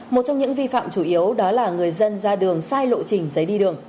một trong những vi phạm chủ yếu đó là người dân ra đường sai lộ trình giấy đi đường